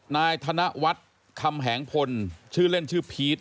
นายธนวัฒน์คำแหงพลชื่อเล่นชื่อพีช